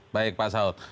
baik pak saud